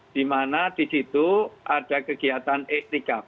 dimana di situ ada kegiatan istiqaf